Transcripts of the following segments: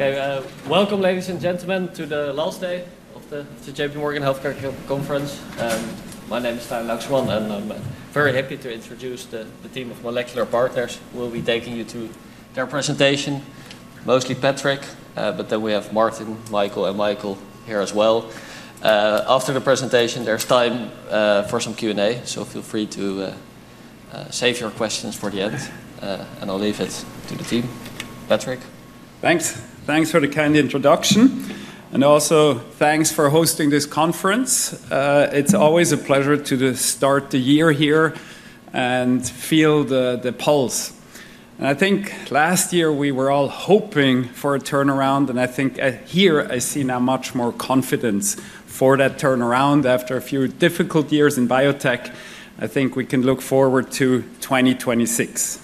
Okay, welcome ladies and gentlemen to the last day of the JPMorgan Healthcare Conference. My name is Stijn Lanssens, and I'm very happy to introduce the team of Molecular Partners. We'll be taking you to their presentation, mostly Patrick, but then we have Martin, Michael, and Michael here as well. After the presentation, there's time for some Q&A, so feel free to save your questions for the end, and I'll leave it to the team. Patrick. Thanks. Thanks for the kind introduction, and also thanks for hosting this conference. It's always a pleasure to start the year here and feel the pulse, and I think last year we were all hoping for a turnaround, and I think here I see now much more confidence for that turnaround. After a few difficult years in biotech, I think we can look forward to 2026,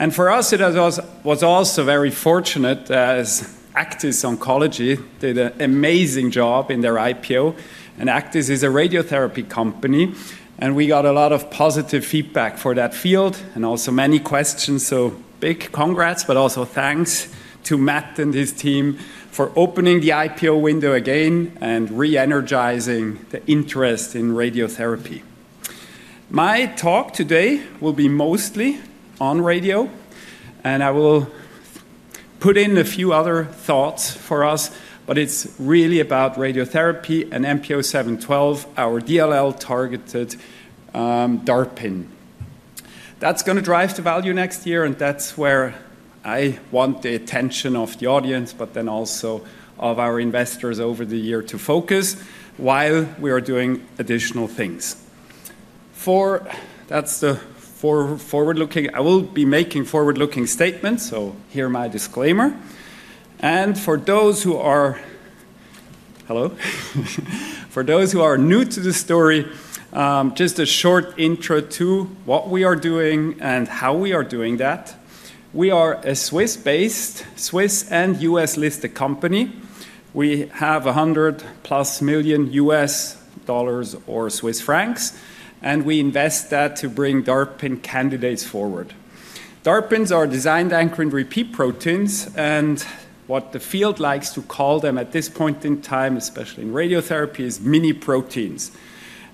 and for us, it was also very fortunate as Aktis Oncology did an amazing job in their IPO, and Aktis is a radiotherapy company, and we got a lot of positive feedback for that field and also many questions, so big congrats, but also thanks to Matt and his team for opening the IPO window again and re-energizing the interest in radiotherapy. My talk today will be mostly on radio, and I will put in a few other thoughts for us, but it's really about radiotherapy and MP0712, our DLL3-targeted DARPin. That's going to drive the value next year, and that's where I want the attention of the audience, but then also of our investors over the year to focus while we are doing additional things. For that's the forward-looking, I will be making forward-looking statements, so here's my disclaimer. And for those who are, hello? For those who are new to the story, just a short intro to what we are doing and how we are doing that. We are a Swiss-based, Swiss- and U.S.-listed company. We have $100+ million or CHF in U.S. dollars or Swiss francs, and we invest that to bring DARPin candidates forward. DARPins are designed to anchor in repeat proteins, and what the field likes to call them at this point in time, especially in radiotherapy, is mini proteins.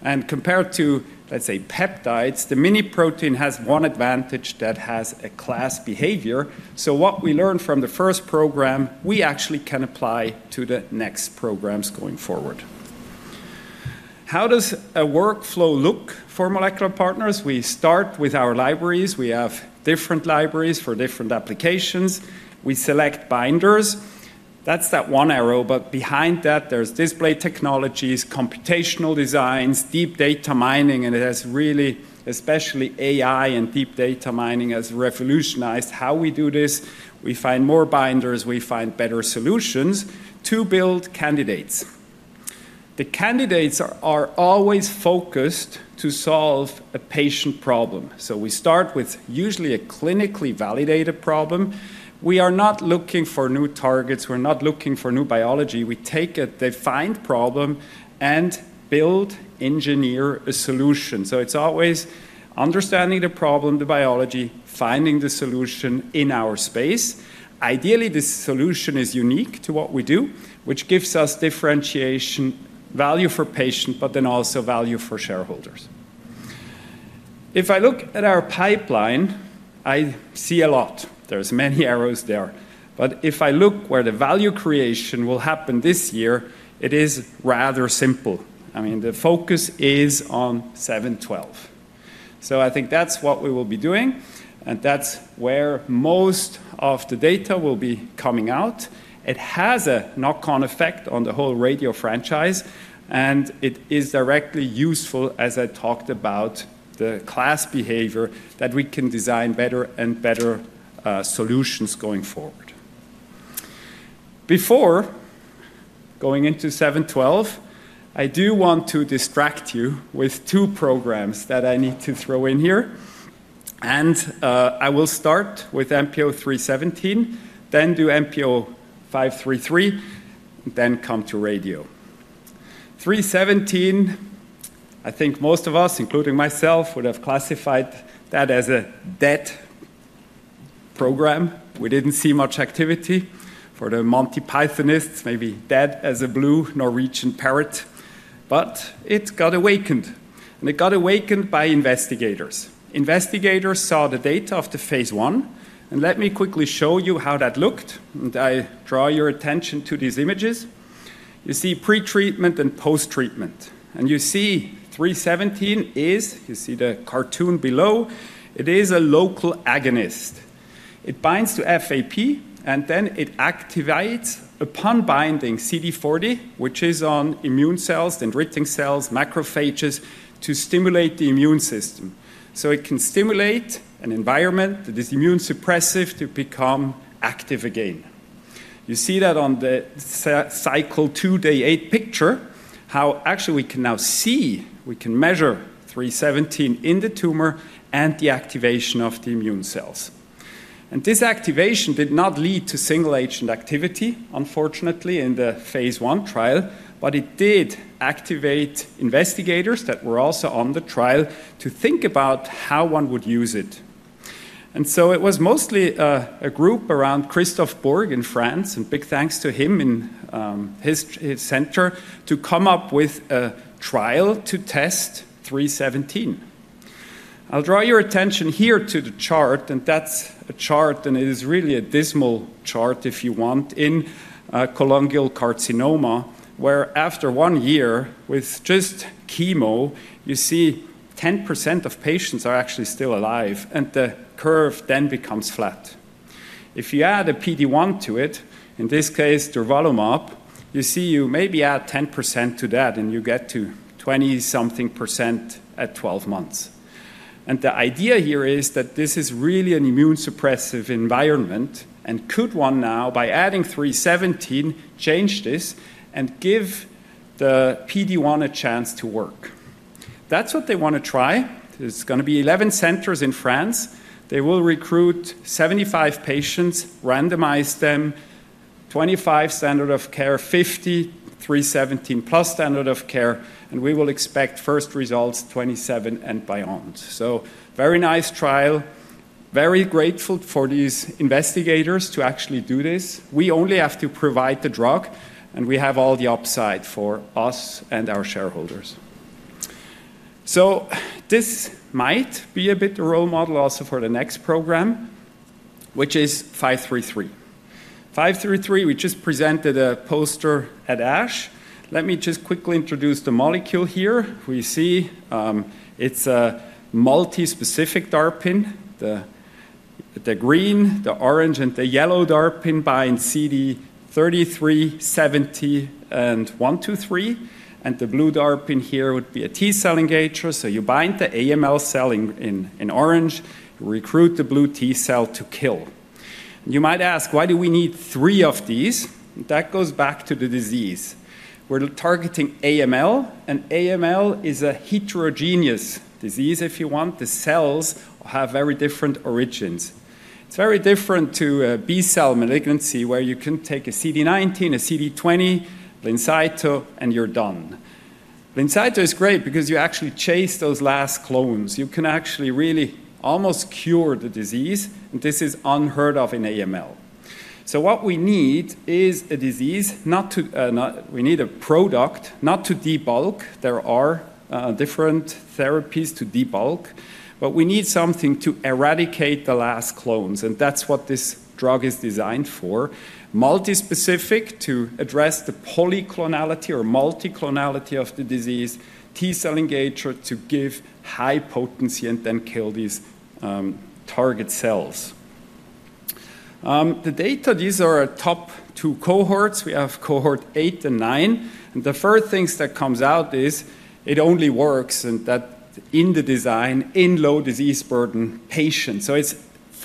And compared to, let's say, peptides, the mini protein has one advantage: that it has a class behavior. So what we learned from the first program, we actually can apply to the next programs going forward. How does a workflow look for Molecular Partners? We start with our libraries. We have different libraries for different applications. We select binders. That's that one arrow, but behind that, there's display technologies, computational designs, deep data mining, and it has really, especially AI and deep data mining has revolutionized how we do this. We find more binders. We find better solutions to build candidates. The candidates are always focused to solve a patient problem. So we start with usually a clinically validated problem. We are not looking for new targets. We're not looking for new biology. We take a defined problem and build, engineer a solution. So it's always understanding the problem, the biology, finding the solution in our space. Ideally, this solution is unique to what we do, which gives us differentiation value for patients, but then also value for shareholders. If I look at our pipeline, I see a lot. There's many arrows there. But if I look where the value creation will happen this year, it is rather simple. I mean, the focus is on 712. So I think that's what we will be doing, and that's where most of the data will be coming out. It has a knock-on effect on the whole radio franchise, and it is directly useful, as I talked about, the class behavior that we can design better and better solutions going forward. Before going into 712, I do want to distract you with two programs that I need to throw in here. I will start with MP0317, then do MP0533, then come to radio. 317, I think most of us, including myself, would have classified that as a dead program. We didn't see much activity. For the Monty Pythonists, maybe dead as a blue Norwegian parrot. But it got awakened, and it got awakened by investigators. Investigators saw the data of the phase one, and let me quickly show you how that looked. I draw your attention to these images. You see pretreatment and posttreatment. You see 317 is, you see the cartoon below, it is a local agonist. It binds to FAP, and then it activates, upon binding, CD40, which is on immune cells, T-cells, macrophages to stimulate the immune system. So it can stimulate an environment that is immunosuppressive to become active again. You see that on the cycle two day eight picture, how actually we can now see, we can measure 317 in the tumor and the activation of the immune cells. And this activation did not lead to single-agent activity, unfortunately, in the phase one trial, but it did activate investigators that were also on the trial to think about how one would use it. And so it was mostly a group around Christophe Borg in France, and big thanks to him in his center to come up with a trial to test 317. I'll draw your attention here to the chart, and that's a chart, and it is really a dismal chart if you want, in colorectal carcinoma, where after one year with just chemo, you see 10% of patients are actually still alive, and the curve then becomes flat. If you add a PD-1 to it, in this case, Durvalumab, you see you maybe add 10% to that, and you get to 20-something percent at 12 months. And the idea here is that this is really an immune suppressive environment and could one now, by adding 317, change this and give the PD-1 a chance to work. That's what they want to try. There's going to be 11 centers in France. They will recruit 75 patients, randomize them, 25 standard of care, 50 317+ standard of care, and we will expect first results 2027 and beyond. So very nice trial. Very grateful for these investigators to actually do this. We only have to provide the drug, and we have all the upside for us and our shareholders. So this might be a bit of a role model also for the next program, which is 533. 533, we just presented a poster at ASH. Let me just quickly introduce the molecule here. We see it's a multispecific DARPin. The green, the orange, and the yellow DARPin bind CD33, CD70, and CD123. And the blue DARPin here would be a T cell engager. So you bind the AML cell in orange, recruit the blue T-cell to kill. You might ask, why do we need three of these? That goes back to the disease. We're targeting AML, and AML is a heterogeneous disease, if you want. The cells have very different origins. It's very different to a B-cell malignancy where you can take a CD19, a CD20, Blincyto, and you're done. Blincyto is great because you actually chase those last clones. You can actually really almost cure the disease, and this is unheard of in AML. So what we need is a disease not to, we need a product not to debulk. There are different therapies to debulk, but we need something to eradicate the last clones, and that's what this drug is designed for. Multispecific to address the polyclonality or multiclonality of the disease, T-cell engager to give high potency and then kill these target cells. The data, these are top two cohorts. We have cohort eight and nine. And the first thing that comes out is it only works, and that in the design, in low disease burden patients. So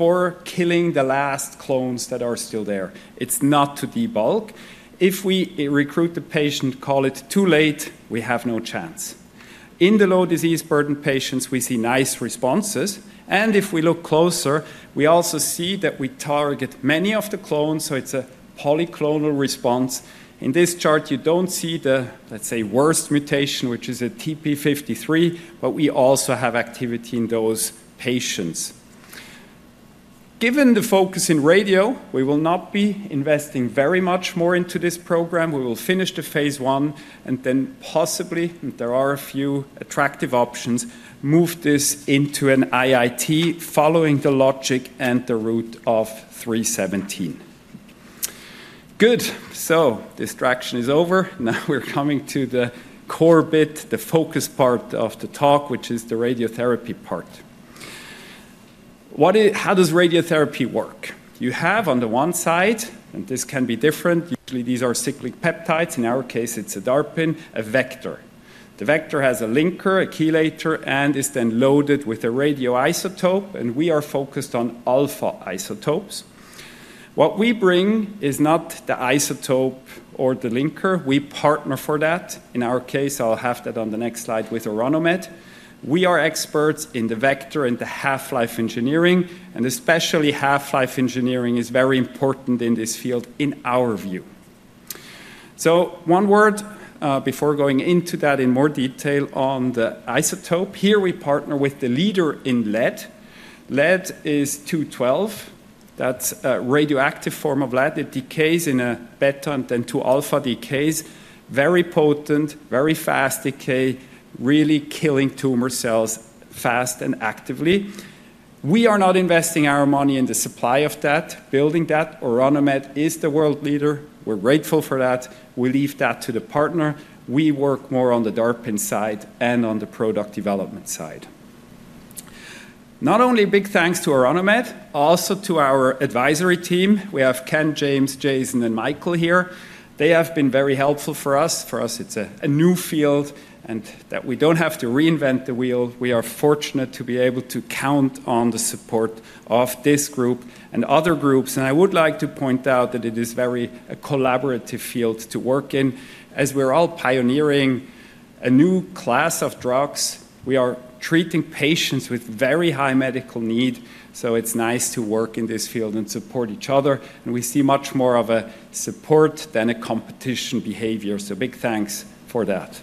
it's for killing the last clones that are still there. It's not to debulk. If we recruit the patient too late, we have no chance. In the low disease burden patients, we see nice responses. And if we look closer, we also see that we target many of the clones, so it's a polyclonal response. In this chart, you don't see the, let's say, worst mutation, which is a TP53, but we also have activity in those patients. Given the focus in radio, we will not be investing very much more into this program. We will finish the phase one and then possibly, and there are a few attractive options, move this into an IIT following the logic and the route of 317. Good. So distraction is over. Now we're coming to the core bit, the focus part of the talk, which is the radiotherapy part. How does radiotherapy work? You have on the one side, and this can be different, usually these are cyclic peptides. In our case, it's a DARPin, a vector. The vector has a linker, a chelator, and is then loaded with a radioisotope, and we are focused on alpha isotopes. What we bring is not the isotope or the linker. We partner for that. In our case, I'll have that on the next slide with Orano Med. We are experts in the vector and the half-life engineering, and especially half-life engineering is very important in this field in our view. So one word before going into that in more detail on the isotope. Here we partner with the leader in lead. Lead is 212. That's a radioactive form of lead. It decays in a better than two alpha decays. Very potent, very fast decay, really killing tumor cells fast and actively. We are not investing our money in the supply of that, building that. Orano Med is the world leader. We're grateful for that. We leave that to the partner. We work more on the DARPIN side and on the product development side. Not only big thanks to Orano Med, also to our advisory team. We have Ken, James, Jason, and Michael here. They have been very helpful for us. For us, it's a new field and that we don't have to reinvent the wheel. We are fortunate to be able to count on the support of this group and other groups. And I would like to point out that it is very a collaborative field to work in. As we're all pioneering a new class of drugs, we are treating patients with very high medical need. So it's nice to work in this field and support each other. And we see much more of a support than a competition behavior. So big thanks for that.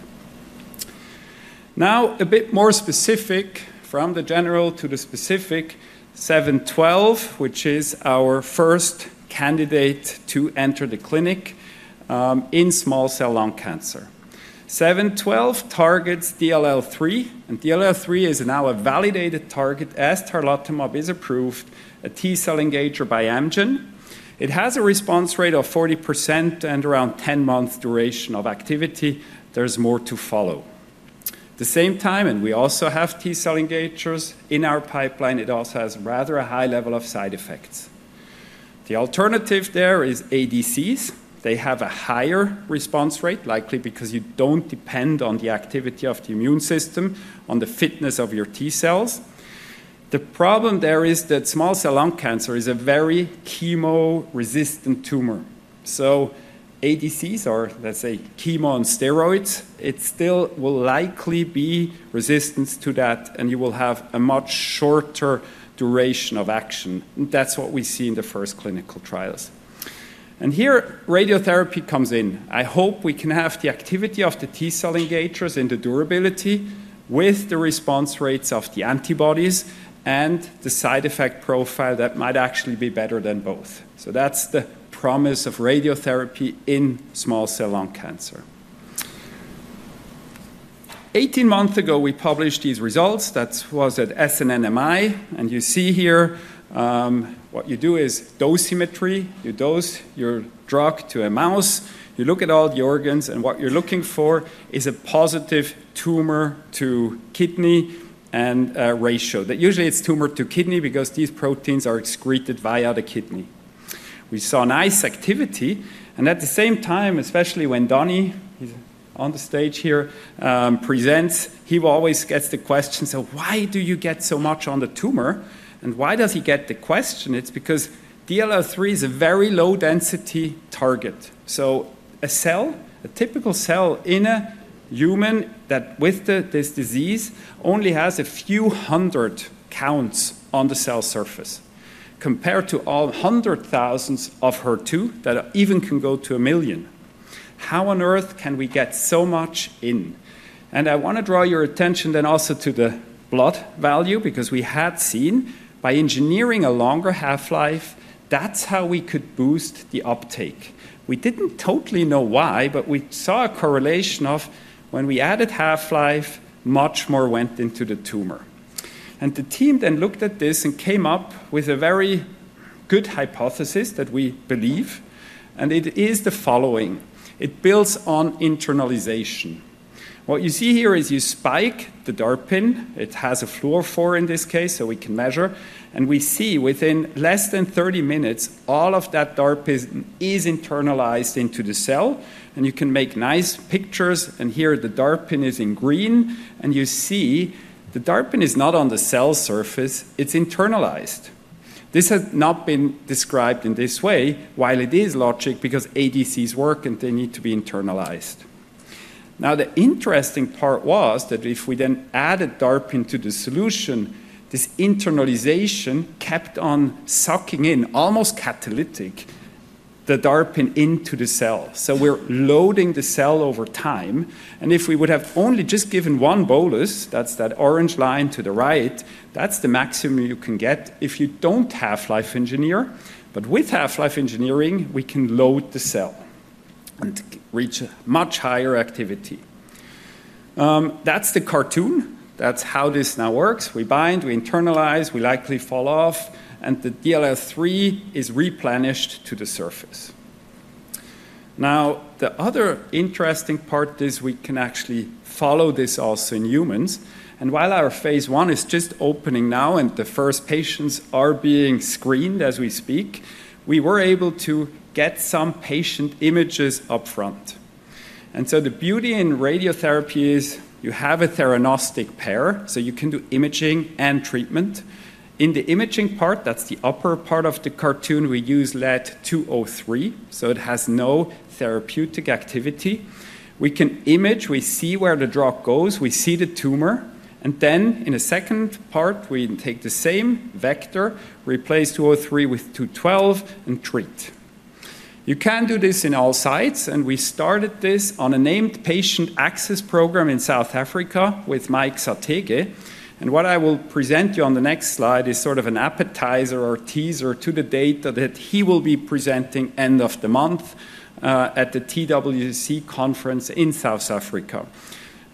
Now a bit more specific from the general to the specific, 712, which is our first candidate to enter the clinic in small cell lung cancer. 712 targets DLL3, and DLL3 is now a validated target as tarlatamab is approved, a T-cell engager by Amgen. It has a response rate of 40% and around 10 months duration of activity. There's more to follow. At the same time, and we also have T-cell engagers in our pipeline, it also has rather a high level of side effects. The alternative there is ADCs. They have a higher response rate, likely because you don't depend on the activity of the immune system, on the fitness of your T-cells. The problem there is that small cell lung cancer is a very chemo-resistant tumor. So ADCs are, let's say, chemo and steroids. It still will likely be resistance to that, and you will have a much shorter duration of action. And that's what we see in the first clinical trials. And here radiotherapy comes in. I hope we can have the activity of the T-cell engagers in the durability with the response rates of the antibodies and the side effect profile that might actually be better than both. So that's the promise of radiotherapy in small cell lung cancer. 18 months ago, we published these results. That was at SNMMI. And you see here what you do is dosimetry. You dose your drug to a mouse. You look at all the organs, and what you're looking for is a positive tumor-to-kidney ratio. Usually, it's tumor-to-kidney because these proteins are excreted via the kidney. We saw nice activity. And at the same time, especially when Dani, he's on the stage here, presents, he always gets the question, "So why do you get so much on the tumor?" And why does he get the question? It's because DLL3 is a very low-density target. So a cell, a typical cell in a human that with this disease only has a few hundred counts on the cell surface compared to all hundred thousands of HER2 that even can go to a million. How on earth can we get so much in? And I want to draw your attention then also to the blood value because we had seen by engineering a longer half-life, that's how we could boost the uptake. We didn't totally know why, but we saw a correlation of when we added half-life, much more went into the tumor. And the team then looked at this and came up with a very good hypothesis that we believe. And it is the following. It builds on internalization. What you see here is you spike the DARPin. It has a fluorophore in this case, so we can measure. And we see within less than 30 minutes, all of that DARPin is internalized into the cell. And you can make nice pictures. And here the DARPin is in green. And you see the DARPin is not on the cell surface. It's internalized. This has not been described in this way, while it is logical because ADCs work and they need to be internalized. Now the interesting part was that if we then added DARPin to the solution, this internalization kept on sucking in, almost catalytic, the DARPin into the cell. So we're loading the cell over time. If we would have only just given one bolus, that's that orange line to the right. That's the maximum you can get if you don't have half-life engineering. But with half-life engineering, we can load the cell and reach a much higher activity. That's the cartoon. That's how this now works. We bind, we internalize, we likely fall off, and the DLL3 is replenished to the surface. Now the other interesting part is we can actually follow this also in humans. And while our phase I is just opening now and the first patients are being screened as we speak, we were able to get some patient images upfront. And so the beauty in radiotherapy is you have a theranostic pair, so you can do imaging and treatment. In the imaging part, that's the upper part of the cartoon, we use Lead-203, so it has no therapeutic activity. We can image, we see where the drug goes, we see the tumor, and then in a second part, we take the same vector, replace 203 with 212, and treat. You can do this in all sites, and we started this on a named patient access program in South Africa with Mike Sathekge, and what I will present you on the next slide is sort of an appetizer or teaser to the data that he will be presenting end of the month at the TWC conference in South Africa,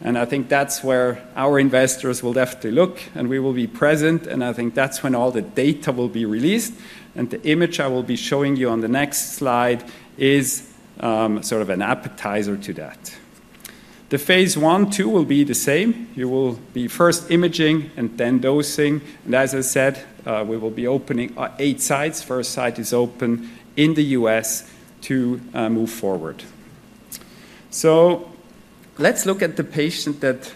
and I think that's where our investors will definitely look, and we will be present, and I think that's when all the data will be released, and the image I will be showing you on the next slide is sort of an appetizer to that. The phase one two will be the same. You will be first imaging and then dosing. As I said, we will be opening eight sites. First site is open in the U.S. to move forward. Let's look at the patient that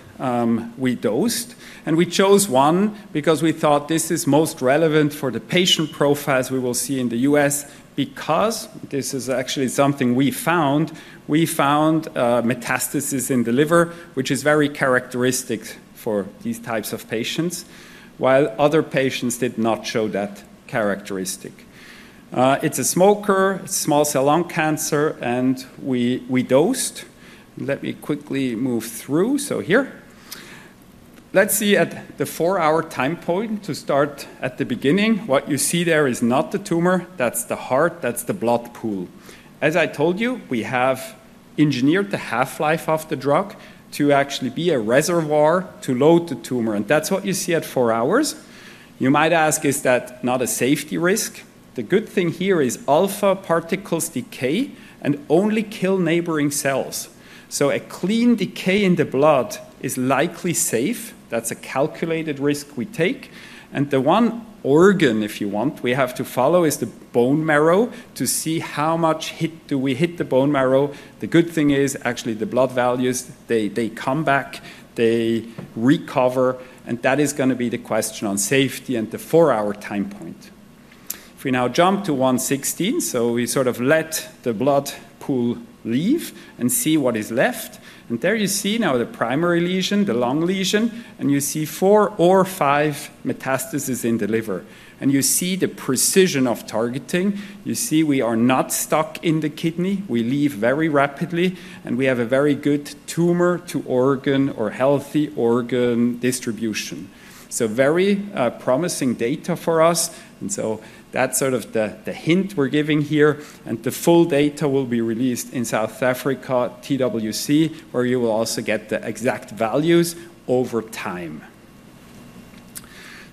we dosed. We chose one because we thought this is most relevant for the patient profiles we will see in the U.S. because this is actually something we found. We found metastasis in the liver, which is very characteristic for these types of patients, while other patients did not show that characteristic. It's a smoker, it's small cell lung cancer, and we dosed. Let me quickly move through. Here. Let's see at the four-hour time point to start at the beginning. What you see there is not the tumor. That's the heart. That's the blood pool. As I told you, we have engineered the half-life of the drug to actually be a reservoir to load the tumor. And that's what you see at four hours. You might ask, is that not a safety risk? The good thing here is alpha particles decay and only kill neighboring cells. So a clean decay in the blood is likely safe. That's a calculated risk we take. And the one organ, if you want, we have to follow is the bone marrow to see how much do we hit the bone marrow. The good thing is actually the blood values, they come back, they recover. And that is going to be the question on safety and the four-hour time point. If we now jump to 116, so we sort of let the blood pool leave and see what is left. And there you see now the primary lesion, the lung lesion, and you see four or five metastases in the liver. And you see the precision of targeting. You see, we are not stuck in the kidney. We leave very rapidly, and we have a very good tumor to organ or healthy organ distribution. So very promising data for us. And so that's sort of the hint we're giving here. And the full data will be released in South Africa TWC, where you will also get the exact values over time.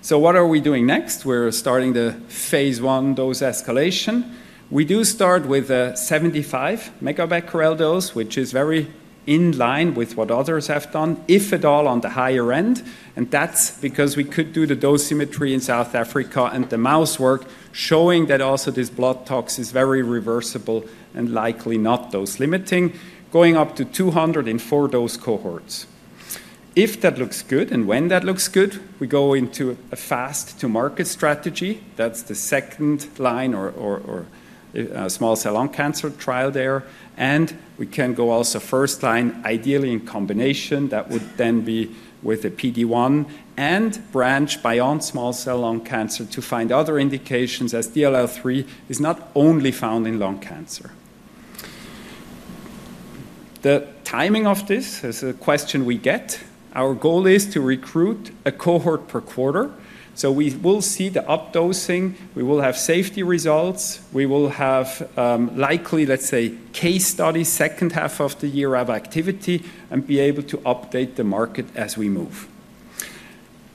So what are we doing next? We're starting the phase I dose escalation. We do start with a 75-megabecquerel dose, which is very in line with what others have done, if at all, on the higher end. And that's because we could do the dosimetry in South Africa and the mouse work showing that also this blood tox is very reversible and likely not dose limiting, going up to 200 in four-dose cohorts. If that looks good and when that looks good, we go into a fast-to-market strategy. That's the second-line or small cell lung cancer trial there. And we can go also first-line, ideally in combination. That would then be with a PD-1 and branch beyond small cell lung cancer to find other indications as DLL3 is not only found in lung cancer. The timing of this is a question we get. Our goal is to recruit a cohort per quarter. So we will see the updosing. We will have safety results. We will have likely, let's say, case studies, second half of the year of activity, and be able to update the market as we move.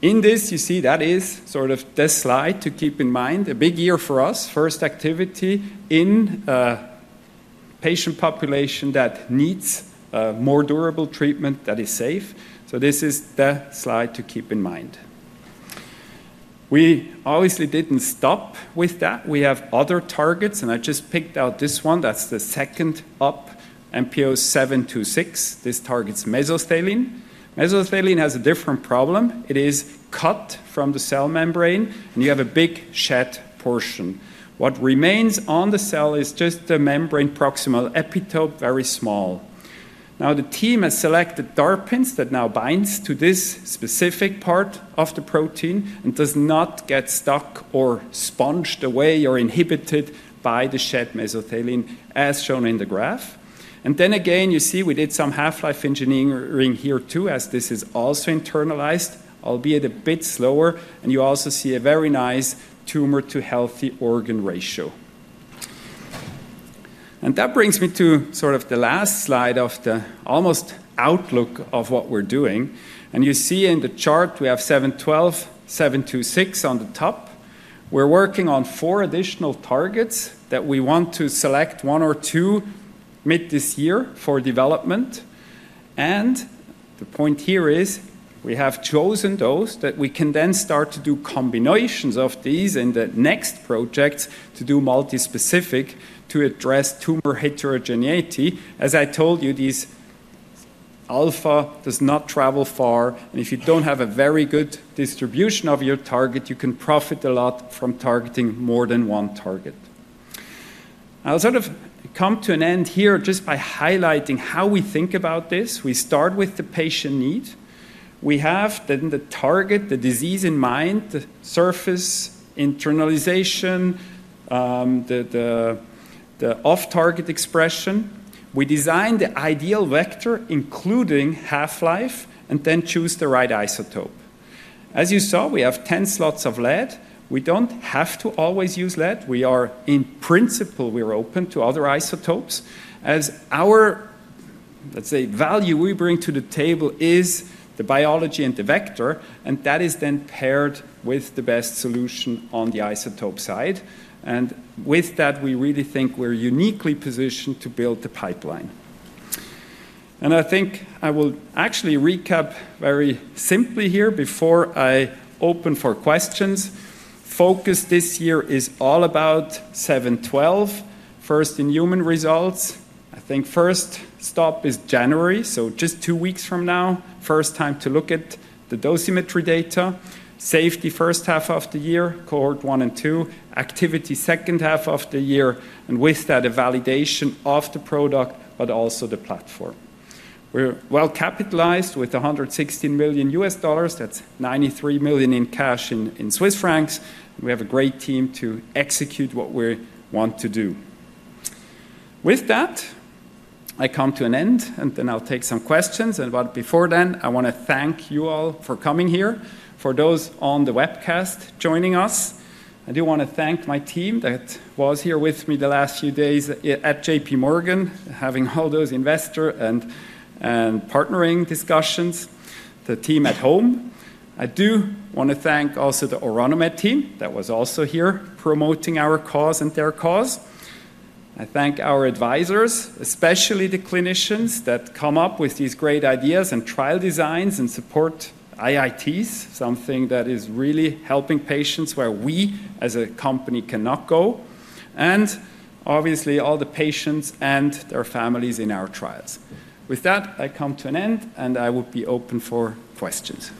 In this, you see that is sort of this slide to keep in mind. A big year for us, first activity in a patient population that needs more durable treatment that is safe. This is the slide to keep in mind. We obviously didn't stop with that. We have other targets, and I just picked out this one. That's the second up, MP0726. This targets mesothelin. Mesothelin has a different problem. It is cut from the cell membrane, and you have a big shed portion. What remains on the cell is just the membrane proximal epitope, very small. Now the team has selected DARPins that now binds to this specific part of the protein and does not get stuck or sponged away or inhibited by the shed mesothelin, as shown in the graph. And then again, you see we did some half-life engineering here too, as this is also internalized, albeit a bit slower. And you also see a very nice tumor-to-healthy organ ratio. And that brings me to sort of the last slide of the almost outlook of what we're doing. You see in the chart we have 712, 726 on the top. We're working on four additional targets that we want to select one or two mid this year for development. The point here is we have chosen those that we can then start to do combinations of these in the next projects to do multi-specific to address tumor heterogeneity. As I told you, this alpha does not travel far. If you don't have a very good distribution of your target, you can profit a lot from targeting more than one target. I'll sort of come to an end here just by highlighting how we think about this. We start with the patient need. We have then the target, the disease in mind, the surface internalization, the off-target expression. We design the ideal vector, including half-life, and then choose the right isotope. As you saw, we have 10 slots of lead. We don't have to always use lead. We are, in principle, we're open to other isotopes as our, let's say, value we bring to the table is the biology and the vector, and that is then paired with the best solution on the isotope side, and with that, we really think we're uniquely positioned to build the pipeline, and I think I will actually recap very simply here before I open for questions. Focus this year is all about 712, first in human results. I think first stop is January, so just two weeks from now, first time to look at the dosimetry data, safety first half of the year, cohort one and two, activity second half of the year, and with that, a validation of the product, but also the platform. We're well capitalized with $116 million. That's 93 million in cash. We have a great team to execute what we want to do. With that, I come to an end, and then I'll take some questions. And but before then, I want to thank you all for coming here, for those on the webcast joining us. I do want to thank my team that was here with me the last few days at JPMorgan, having all those investor and partnering discussions, the team at home. I do want to thank also the Orano Med team that was also here promoting our cause and their cause. I thank our advisors, especially the clinicians that come up with these great ideas and trial designs and support IITs, something that is really helping patients where we as a company cannot go. And obviously, all the patients and their families in our trials. With that, I come to an end, and I would be open for questions.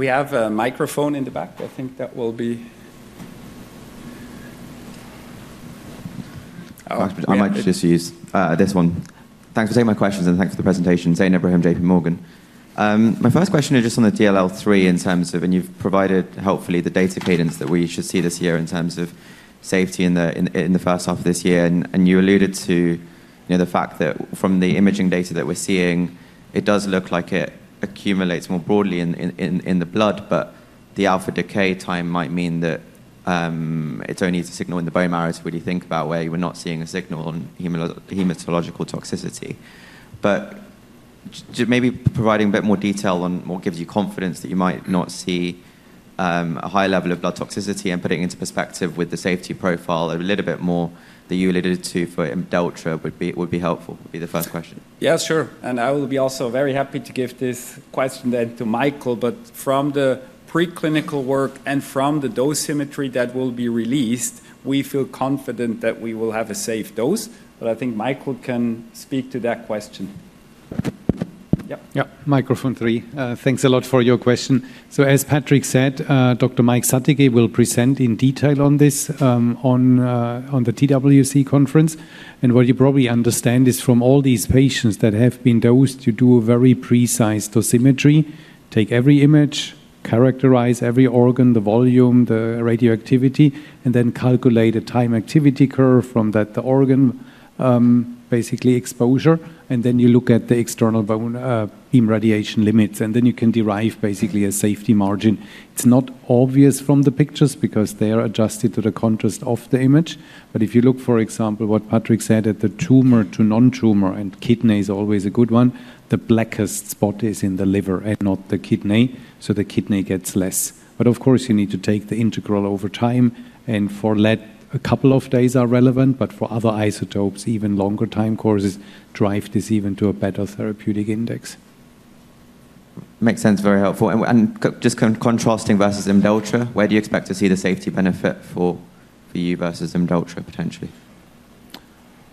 Any questions for you? We have a microphone in the back. I think that will be. I'll actually just use this one. Thanks for taking my questions, and thanks for the presentation. Zane Abraham, JPMorgan. My first question is just on the DLL3 in terms of, and you've provided hopefully the data cadence that we should see this year in terms of safety in the first half of this year. And you alluded to the fact that from the imaging data that we're seeing, it does look like it accumulates more broadly in the blood, but the alpha decay time might mean that it's only a signal in the bone marrow to really think about where you were not seeing a signal on hematological toxicity. Maybe providing a bit more detail on what gives you confidence that you might not see a high level of blood toxicity and putting it into perspective with the safety profile a little bit more, that you alluded to for Imdelltra, would be helpful. That would be the first question. Yeah, sure. I will be also very happy to give this question then to Michael. From the preclinical work and from the dosimetry that will be released, we feel confident that we will have a safe dose. I think Michael can speak to that question. Yep. Yep. Microphone three. Thanks a lot for your question. As Patrick said, Dr. Mike Sathekge will present in detail on this on the TWC conference. What you probably understand is from all these patients that have been dosed, you do a very precise dosimetry, take every image, characterize every organ, the volume, the radioactivity, and then calculate a time-activity curve from that, basically the organ exposure. Then you look at the external beam radiation limits. Then you can derive basically a safety margin. It's not obvious from the pictures because they are adjusted to the contrast of the image. But if you look, for example, what Patrick said at the tumor-to-non-tumor, and kidney is always a good one, the blackest spot is in the liver and not the kidney. So the kidney gets less. But of course, you need to take the integral over time. And for Lead, a couple of days are relevant, but for other isotopes, even longer time courses drive this even to a better therapeutic index. Makes sense. Very helpful. And just contrasting versus Imdelltra, where do you expect to see the safety benefit for you versus Imdelltra potentially?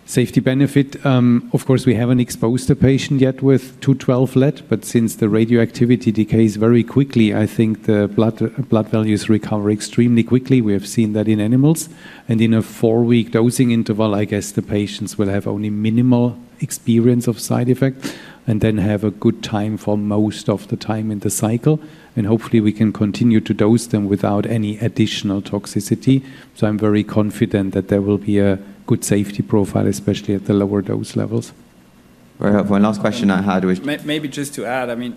Safety benefit, of course, we haven't exposed the patient yet with Lead-212, but since the radioactivity decays very quickly, I think the blood values recover extremely quickly. We have seen that in animals. And in a four-week dosing interval, I guess the patients will have only minimal experience of side effects and then have a good time for most of the time in the cycle. And hopefully, we can continue to dose them without any additional toxicity. So I'm very confident that there will be a good safety profile, especially at the lower dose levels. Very helpful. And last question I had. Maybe just to add, I mean,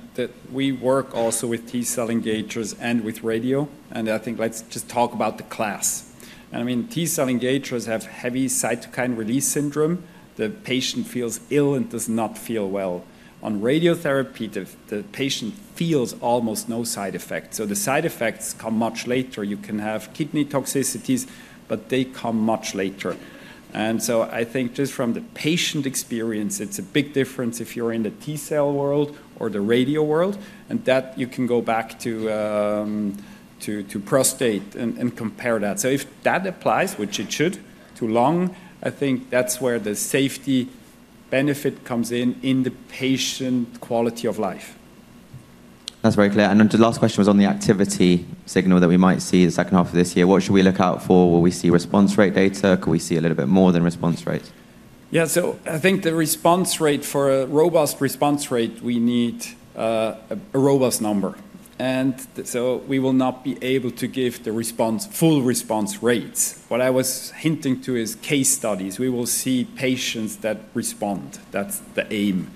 we work also with T-cell engagers and with radio. And I think let's just talk about the class. And I mean, T-cell engagers have heavy cytokine release syndrome. The patient feels ill and does not feel well. On radiotherapy, the patient feels almost no side effects. So the side effects come much later. You can have kidney toxicities, but they come much later. And so I think just from the patient experience, it's a big difference if you're in the T-cell world or the radio world. And that you can go back to prostate and compare that. So if that applies, which it should to lung, I think that's where the safety benefit comes in the patient quality of life. That's very clear. And then the last question was on the activity signal that we might see the second half of this year. What should we look out for? Will we see response rate data? Can we see a little bit more than response rate? Yeah. So I think the response rate for a robust response rate, we need a robust number. And so we will not be able to give the full response rates. What I was hinting to is case studies. We will see patients that respond. That's the aim.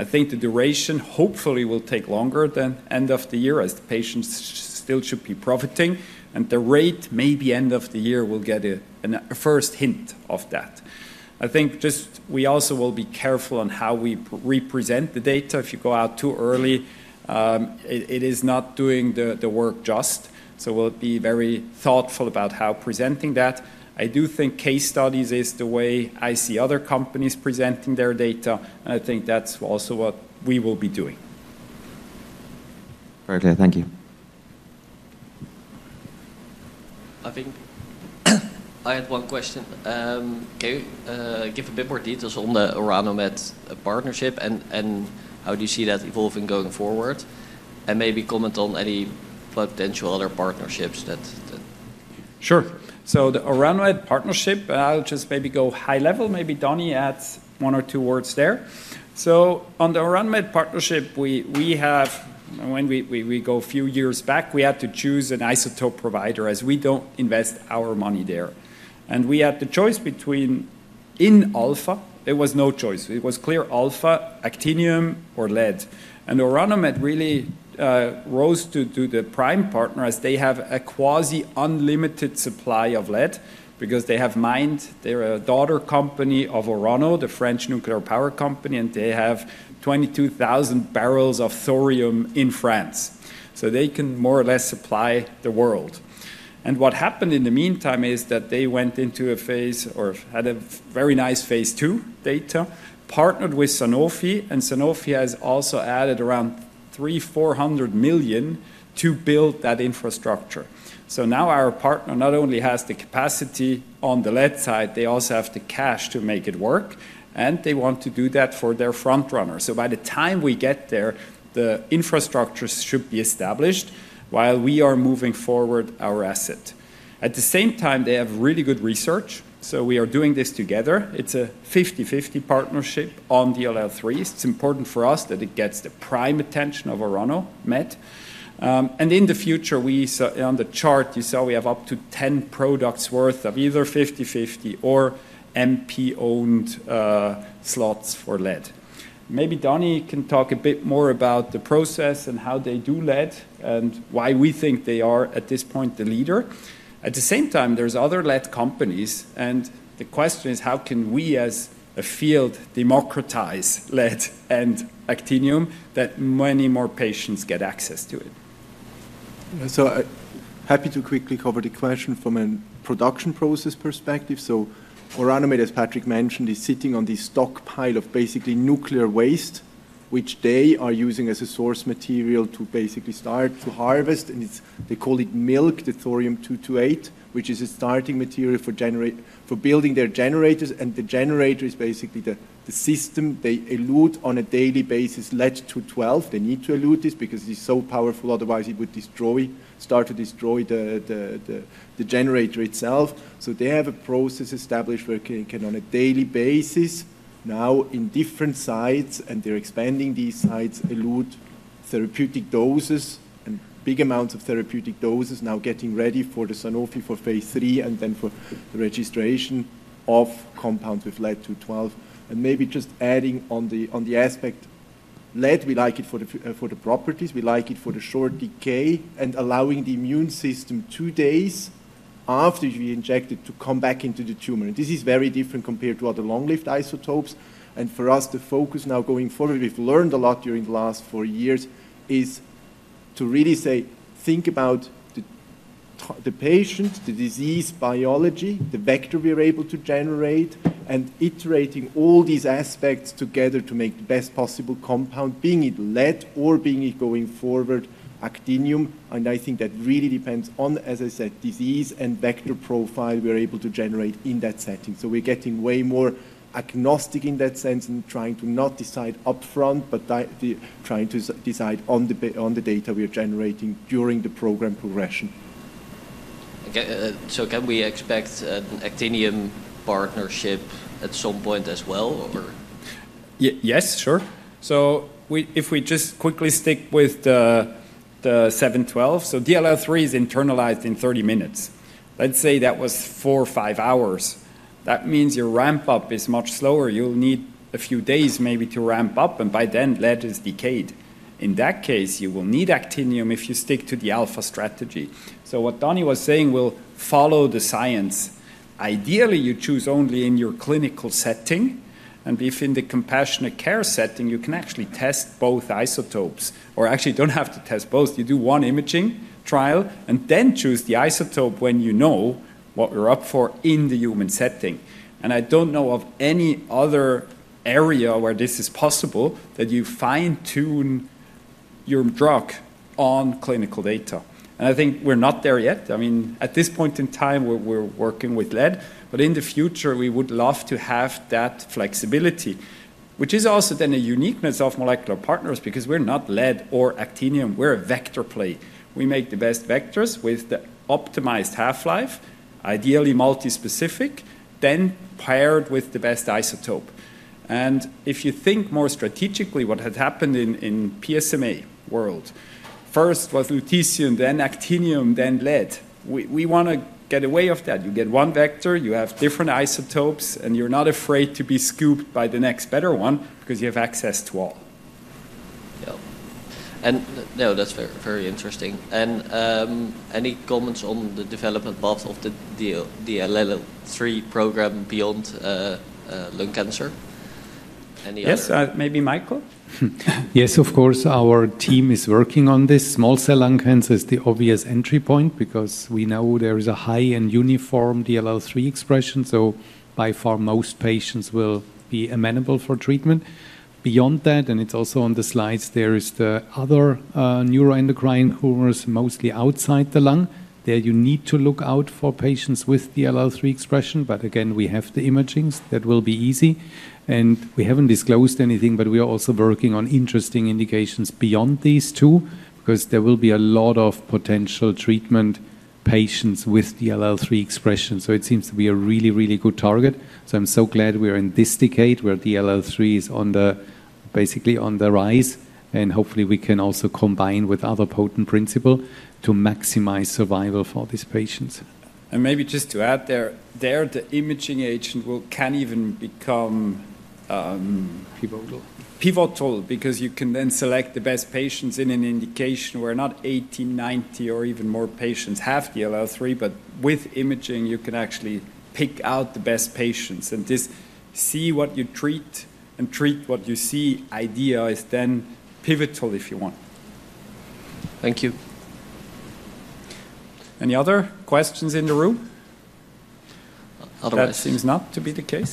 I think the duration hopefully will take longer than end of the year as the patients still should be profiting. And the rate maybe end of the year will get a first hint of that. I think just we also will be careful on how we represent the data. If you go out too early, it is not doing the work justice. So we'll be very thoughtful about how presenting that. I do think case studies is the way I see other companies presenting their data. And I think that's also what we will be doing. Very clear. Thank you. I think I had one question. Can you give a bit more details on the Orano Med partnership and how do you see that evolving going forward? And maybe comment on any potential other partnerships that. Sure. So the Orano Med partnership, I'll just maybe go high level. Maybe Dani adds one or two words there. So on the Orano Med partnership, we have, when we go a few years back, we had to choose an isotope provider as we don't invest our money there. And we had the choice between in alpha. There was no choice. It was clear: alpha, actinium, or lead. Orano Med really rose to the prime partner as they have a quasi-unlimited supply of lead because they have mined. They are a daughter company of Orano, the French nuclear power company, and they have 22,000 barrels of thorium in France. So they can more or less supply the world. What happened in the meantime is that they went into a phase or had a very nice phase two data, partnered with Sanofi, and Sanofi has also added around $300 million-$400 million to build that infrastructure. Now our partner not only has the capacity on the lead side, they also have the cash to make it work, and they want to do that for their frontrunners. By the time we get there, the infrastructure should be established while we are moving forward our asset. At the same time, they have really good research, so we are doing this together. It's a 50/50 partnership on DLL3. It's important for us that it gets the prime attention of Orano Med, and in the future, we saw on the chart, you saw we have up to 10 products worth of either 50/50 or MP-owned slots for lead. Maybe Dani can talk a bit more about the process and how they do lead and why we think they are at this point the leader. At the same time, there's other lead companies, and the question is, how can we as a field democratize lead and actinium that many more patients get access to it, so happy to quickly cover the question from a production process perspective. Orano Med, as Patrick mentioned, is sitting on the stockpile of basically nuclear waste, which they are using as a source material to basically start to harvest. They call it milk, the Thorium-228, which is a starting material for building their generators. The generator is basically the system they elute on a daily basis, Lead-212. They need to elute this because it is so powerful. Otherwise, it would start to destroy the generator itself. They have a process established where they can on a daily basis now in different sites, and they're expanding these sites, elute therapeutic doses and big amounts of therapeutic doses now getting ready for Sanofi for phase 3 and then for the registration of compounds with Lead-212. Maybe just adding on the aspect Lead, we like it for the properties. We like it for the short decay and allowing the immune system two days after you inject it to come back into the tumor. And this is very different compared to other long-lived isotopes. And for us, the focus now going forward, we've learned a lot during the last four years is to really say, think about the patient, the disease biology, the vector we are able to generate, and iterating all these aspects together to make the best possible compound, being it lead or being it going forward, actinium. And I think that really depends on, as I said, disease and vector profile we're able to generate in that setting. So we're getting way more agnostic in that sense and trying to not decide upfront, but trying to decide on the data we are generating during the program progression. So can we expect an actinium partnership at some point as well, or? Yes, sure, so if we just quickly stick with the 712, so DLL3 is internalized in 30 minutes. Let's say that was four or five hours. That means your ramp-up is much slower. You'll need a few days maybe to ramp up, and by then, lead is decayed. In that case, you will need actinium if you stick to the alpha strategy, so what Donny was saying will follow the science. Ideally, you choose only in your clinical setting, and if in the compassionate care setting, you can actually test both isotopes or actually don't have to test both. You do one imaging trial and then choose the isotope when you know what we're up for in the human setting. I don't know of any other area where this is possible that you fine-tune your drug on clinical data. I think we're not there yet. I mean, at this point in time, we're working with lead. But in the future, we would love to have that flexibility, which is also then a uniqueness of Molecular Partners because we're not lead or actinium. We're a vector play. We make the best vectors with the optimized half-life, ideally multi-specific, then paired with the best isotope. If you think more strategically, what had happened in PSMA world, first was lutetium, then actinium, then lead. We want to get away from that. You get one vector, you have different isotopes, and you're not afraid to be scooped by the next better one because you have access to all. Yeah. No, that's very interesting. And any comments on the development part of the DLL3 program beyond lung cancer? Any other? Yes, maybe Michael? Yes, of course. Our team is working on this. Small cell lung cancer is the obvious entry point because we know there is a high and uniform DLL3 expression. So by far, most patients will be amenable for treatment. Beyond that, and it's also on the slides, there is the other neuroendocrine tumors, mostly outside the lung. There you need to look out for patients with DLL3 expression. But again, we have the imaging. That will be easy. And we haven't disclosed anything, but we are also working on interesting indications beyond these two because there will be a lot of potential treatment patients with DLL3 expression. So it seems to be a really, really good target. So I'm so glad we are in this decade where DLL3 is basically on the rise. And hopefully, we can also combine with other potent principles to maximize survival for these patients. And maybe just to add there, the imaging agent can even become pivotal because you can then select the best patients in an indication where not 80, 90, or even more patients have DLL3. But with imaging, you can actually pick out the best patients. And this see what you treat and treat what you see idea is then pivotal if you want. Thank you. Any other questions in the room? That seems not to be the case.